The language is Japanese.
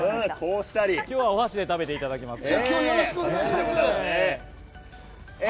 今日はお箸で食べていただきます。